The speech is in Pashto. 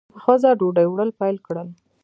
ښځه ډوډۍ وړل پیل کړل.